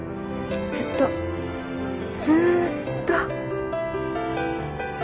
ずっとずーっと